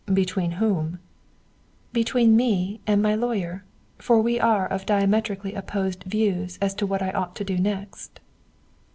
"Between whom?" "Between me and my lawyer, for we are of diametrically opposite views as to what I ought to do next."